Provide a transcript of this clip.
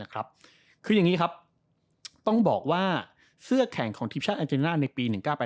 คืออย่างนี้ครับต้องบอกว่าเสื้อแข่งของทีมชาติแอนเจน่าในปี๑๙๘